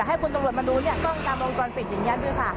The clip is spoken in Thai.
ให้คุณตำรวจมาดูเนี่ยกล้องตามวงจรปิดอย่างนี้ด้วยค่ะ